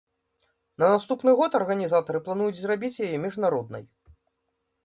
На наступны год арганізатары плануюць зрабіць яе міжнароднай.